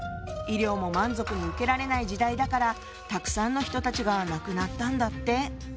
医療も満足に受けられない時代だからたくさんの人たちが亡くなったんだって。